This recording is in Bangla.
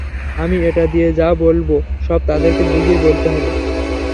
আমি এটা দিয়ে যা বলবো সব তাদেরকে বুঝিয়ে বলতে হবে।